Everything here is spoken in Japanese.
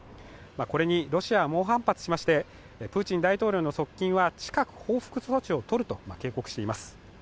これにロシアは猛反発しましてプーチン大統領の側近は近く報復措置をとると警告しています。